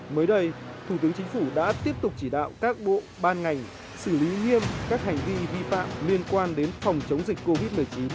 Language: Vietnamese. mới đây thủ tướng chính phủ đã tiếp tục chỉ đạo các bộ ban ngành xử lý nghiêm các hành vi vi phạm liên quan đến phòng chống dịch covid một mươi chín